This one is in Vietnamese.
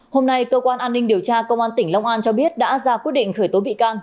hôm nay cơ quan an ninh điều tra công an tỉnh long an cho biết đã ra quyết định khởi tố bị can